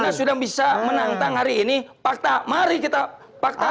nah sudah bisa menantang hari ini fakta mari kita faktakan